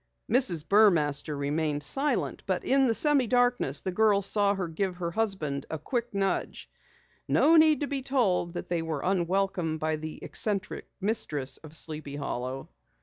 Mrs. Burmaster remained silent, but in the semi darkness, the girls saw her give her husband a quick nudge. No need to be told that they were unwelcome by the eccentric mistress of Sleepy Hollow.